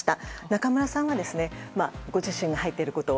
中村さんはご自身が入っていること